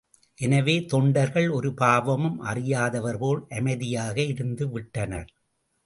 எனவே தொண்டர்கள் ஒரு பாவமும் அறியாதவர் போல் அமைதியாக இருந்து விட்டனர்.